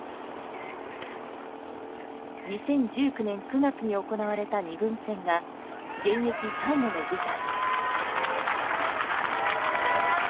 ２０１９年９月に行われた２軍戦が現役最後の舞台。